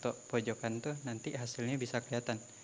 kalau kita coba foto pojokan itu nanti hasilnya bisa kelihatan